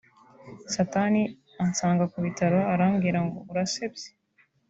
Satani ansanga ku bitaro arambwira ngo urasebye